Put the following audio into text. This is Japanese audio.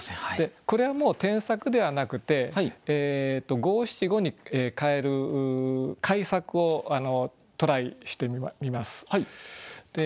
これはもう添削ではなくて五七五に変える改作をトライしてみます。